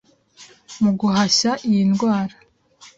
mu guhashya iyi ndwara